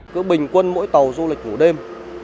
cứ bình quân mỗi tàu du lịch vụ đêm